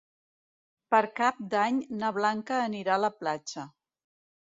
Per Cap d'Any na Blanca anirà a la platja.